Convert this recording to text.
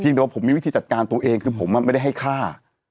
เพียงแต่ว่าผมมีวิธีจัดการตัวเองคือผมมันไม่ได้ให้ฆ่า